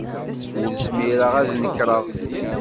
Ur zmireɣ ad d-nekreɣ.